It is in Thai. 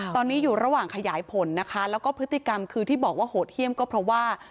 ตอนนี้อยู่ระหว่างขยายผลนะคะแล้วก็พฤติกรรมคือที่บอกว่าโหดเยี่ยมก็เพราะว่า